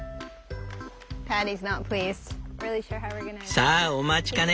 さあお待ちかね。